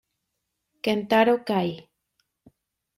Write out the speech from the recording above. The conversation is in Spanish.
Kentaro Kai